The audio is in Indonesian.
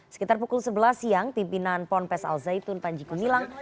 sekitar pukul sebelas siang pimpinan ponpes al zaitun panji gumilang